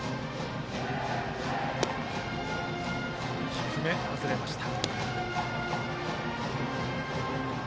低め、外れました。